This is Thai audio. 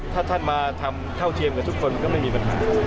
ถ้าท่านมาทำเท่าเทียมกับทุกคนก็ไม่มีปัญหา